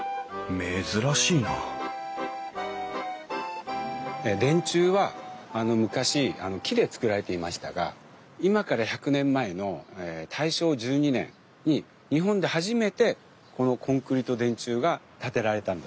珍しいな電柱は昔木で造られていましたが今から１００年前の大正１２年に日本で初めてこのコンクリート電柱が建てられたんです。